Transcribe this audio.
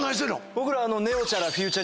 僕ら。